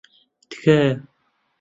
تکایە.